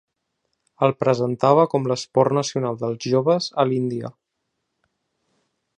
El presentava com l’esport nacional dels joves a l’Índia.